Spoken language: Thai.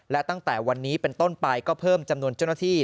และตั้งแต่วันนี้เป็นต้นไปก็เพิ่มจำนวนเจ้าหน้าที่